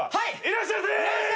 いらっしゃいませ！